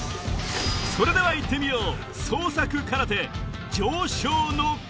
それではいってみよう！